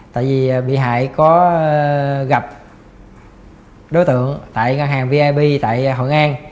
tại vì bị hại có gặp đối tượng tại ngân hàng vip tại hội an